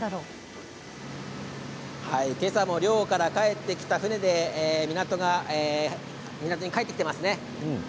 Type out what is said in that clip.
今朝も漁から帰ってきた船が港に帰ってきていますね。